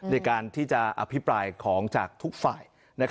ในการที่จะอภิปรายของจากทุกฝ่าย